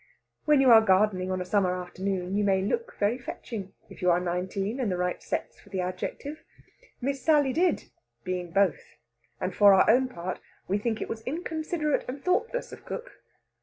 When you are gardening on a summer afternoon, you may look very fetching, if you are nineteen, and the right sex for the adjective. Miss Sally did, being both, and for our own part we think it was inconsiderate and thoughtless of cook.